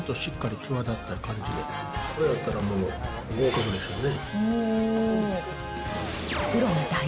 これだったらもう合格でしょうね。